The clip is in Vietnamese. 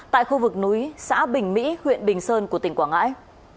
tại khu vực núi xã bình mỹ huyện bình sơn của tỉnh quảng ngãi